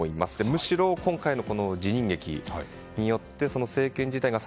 むしろ今回の辞任劇によって政権自体が